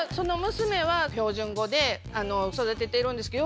娘は標準語で育ててるんですけど。